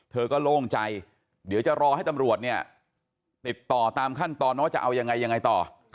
เธอก็โล่งใจเดี๋ยวจะรอให้ตำรวจเนี่ยติดต่อตามขั้นตอนว่าจะเอายังไงยังไงต่อ